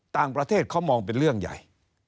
ต่างประเทศเขามองเป็นเรื่องใหญ่